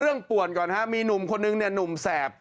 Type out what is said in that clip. ป่วนก่อนฮะมีหนุ่มคนนึงเนี่ยหนุ่มแสบ